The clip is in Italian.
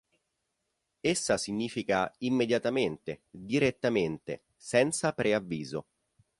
Essa significa "immediatamente", "direttamente", "senza preavviso".